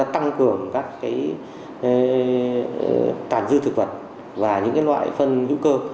tăng cường các cái tàn dư thực vật và những cái loại phân hữu cơ